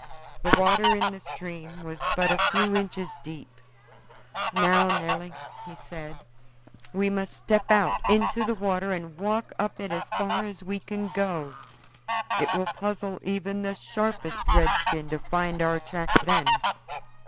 The water in the stream was but a few inches deep. "Now, Nelly," he said, "we must step out into the water and walk up it as far as we can go it will puzzle even the sharpest redskin to find our track then."